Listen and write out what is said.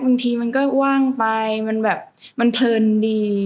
บางทีมันก็ว่างไปมันแบบมันเพลินดี